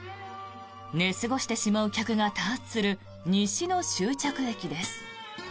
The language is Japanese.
寝過ごしてしまう客が多発する西の終着駅です。